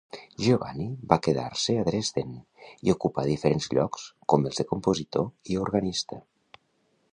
Giovanni va quedar-se a Dresden i ocupà diferents llocs com els de compositor i organista.